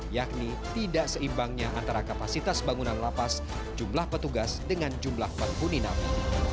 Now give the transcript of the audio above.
yakni tidak seimbangnya antara kapasitas bangunan lapas jumlah petugas dengan jumlah penghuni napi